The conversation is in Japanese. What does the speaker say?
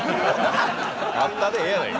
勝ったでええやないか。